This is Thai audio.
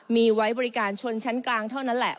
มีไว้บริการชนชั้นกลางเท่านั้นแหละ